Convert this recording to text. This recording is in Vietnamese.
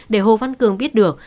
để hồ văn cường biết được